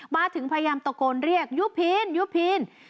มาถึงพยายามตะโกนเรียกยุพินยุพิน